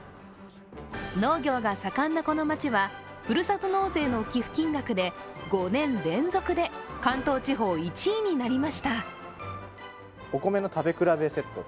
農業が盛んなこの町はふるさと納税の寄付金額で５年連続で関東地方１位になりました。